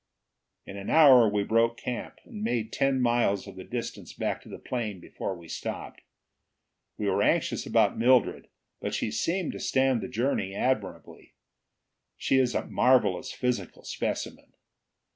In an hour we broke camp, and made ten miles of the distance back to the plane before we stopped. We were anxious about Mildred, but she seemed to stand the journey admirably; she is a marvelous physical specimen.